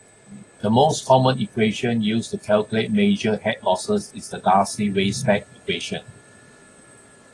The most common equation used to calculate major head losses is the Darcy-Weisbach equation.